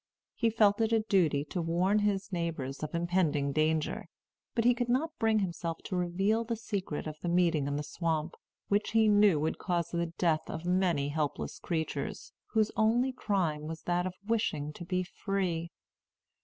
He felt it a duty to warn his neighbors of impending danger; but he could not bring himself to reveal the secret of the meeting in the swamp, which he knew would cause the death of many helpless creatures, whose only crime was that of wishing to be free.